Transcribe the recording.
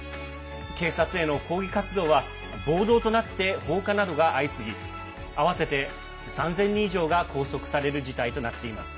警察への抗議活動は暴動となって放火などが相次ぎ合わせて３０００人以上が拘束される事態となっています。